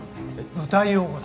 舞台用語だ。